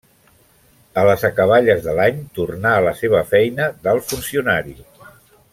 A les acaballes de l'any tornà a la seva feina d'alt funcionari.